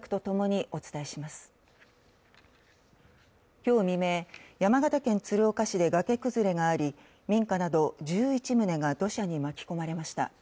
今日未明、山形県鶴岡市で崖崩れがあり民家など１１棟が土砂に巻き込まれました。